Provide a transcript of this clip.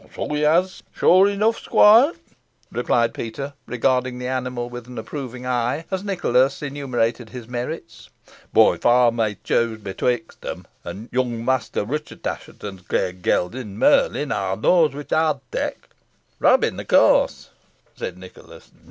"So he has, sure enough, squoire," replied Peter, regarding the animal with an approving eye, as Nicholas enumerated his merits. "Boh, if ey might choose betwixt him an yunk Mester Ruchot Assheton's grey gelding, Merlin, ey knoas which ey'd tak." "Robin, of course," said Nicholas.